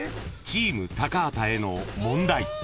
［チーム高畑への問題］